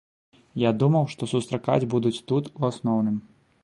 Я думаў, што сустракаць будуць тут ў асноўным.